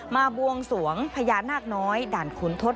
บวงสวงพญานาคน้อยด่านขุนทศ